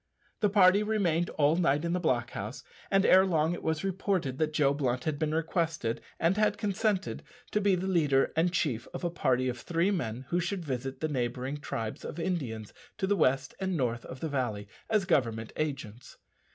The party remained all night in the block house, and ere long it was reported that Joe Blunt had been requested, and had consented, to be the leader and chief of a party of three men who should visit the neighbouring tribes of Indians to the west and north of the valley as Government agents.